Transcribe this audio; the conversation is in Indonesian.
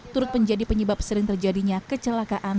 turut menjadi penyebab sering terjadinya kecelakaan